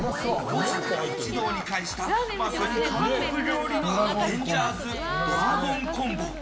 一堂に会したまさに韓国料理のアベンジャーズドラゴンコンボ。